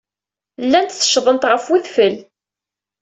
Llant tteccgent ɣef wedfel.